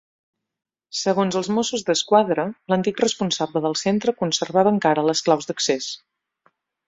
Segons els Mossos d'Esquadra, l'antic responsable del centre conservava encara les claus d'accés.